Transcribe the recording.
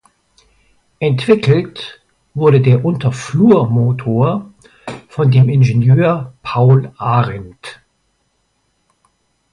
Entwickelt wurde der "Unterflurmotor" von dem Ingenieur Paul Arendt.